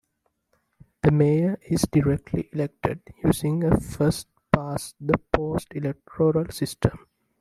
The Mayor is directly elected using a first-past-the-post electoral system.